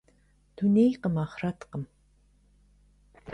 Дунейкъым, ахърэткъым.